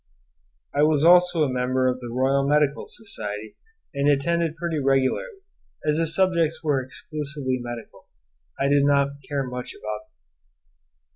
I was also a member of the Royal Medical Society, and attended pretty regularly; but as the subjects were exclusively medical, I did not much care about them.